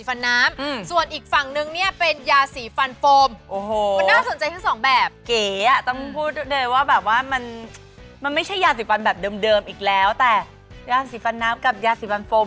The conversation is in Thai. มันไม่ใช่ยาสีฟันน้ำแบบเดิมอีกแล้วแต่ยาสีฟันน้ำกับยาสีฟันโฟม